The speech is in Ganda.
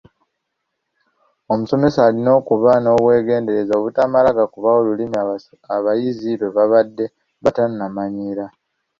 Omusomesa alina okuba n’obwegendereza obutamala gakubawo lulimi abayizi lwe babadde batannamanyiira.